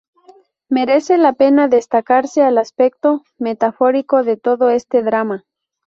Merece la pena destacarse el aspecto metafórico de todo este drama.